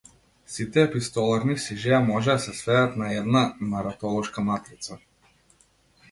Сите епистоларни сижеа можат да се сведат на една наратолошка матрица.